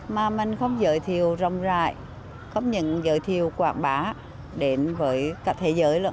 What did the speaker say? mà mình không giới thiệu rộng rãi không những giới thiệu quảng bá đến với cả thế giới